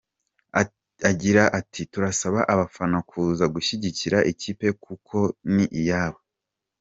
Agira ati “Turasaba abafana kuza gushyigikira ikipe kuko ni iyabo.